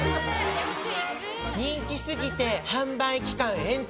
人気過ぎて販売期間延長！